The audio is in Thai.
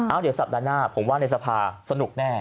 เดี๋ยวสัปดาห์หน้าผมว่าในสภาสนุกแน่